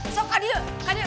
sok kak dia kak dia